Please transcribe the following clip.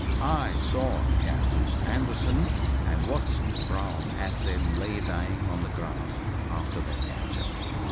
I saw Captains Anderson and Watson Brown as they lay dying on the grass after their capture.